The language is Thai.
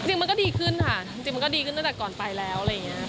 จริงมันก็ดีขึ้นค่ะจริงมันก็ดีขึ้นตั้งแต่ก่อนไปแล้วอะไรอย่างนี้